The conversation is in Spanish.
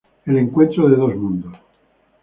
El encuentro de dos mundos.